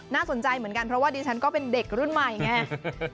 น่าสนใจเหมือนกันเพราะว่าดิฉันก็เป็นเด็กรุ่นใหม่ไง